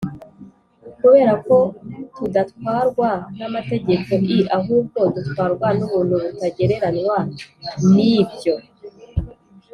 kubera ko tudatwarwa n amategeko l ahubwo dutwarwa n ubuntu butagereranywa m Ibyo